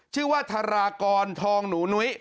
ชื่อว่าทารากรทองหนูนุ้ย